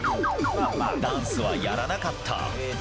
ダンスはやらなかった。